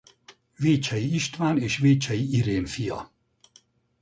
Vécsey István és Vécsey Irén fia.